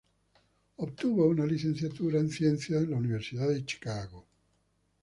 Obtuvo una licenciatura en ciencias en la Universidad de Chicago.